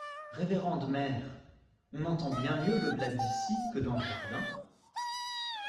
Révérende mère, on entend bien mieux le glas d'ici que dans le jardin.